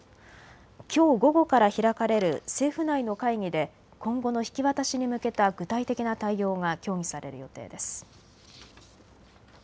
きょう午後から開かれる政府内の会議で今後の引き渡しに向けた具体的な対応が協議される予定です。